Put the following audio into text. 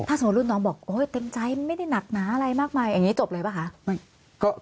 สมมุติรุ่นน้องบอกโอ้ยเต็มใจมันไม่ได้หนักหนาอะไรมากมายอย่างนี้จบเลยป่ะคะ